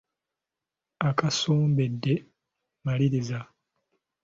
Okasombedde, maliriza.